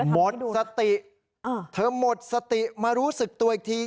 หมดสติเธอหมดสติมารู้สึกตัวอีกที